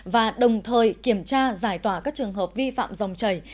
và đồng thời kiểm tra giải tỏa các trường hợp vi phạm dòng chảy